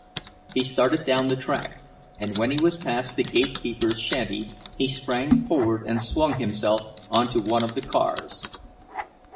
He started down the track, and when he was past the gate keeper's shanty he sprang forward and swung himself on to one of the cars.